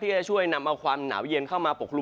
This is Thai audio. จะช่วยนำเอาความหนาวเย็นเข้ามาปกคลุม